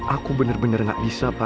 aku bener bener gak bisa pa